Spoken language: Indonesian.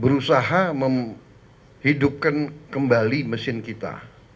berusaha menghidupkan kembali mesin kita